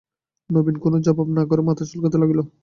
নবীন কোনো জবাব না করে মাথা চুলকোতে লাগল।